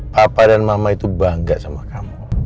papa dan mama itu bangga sama kamu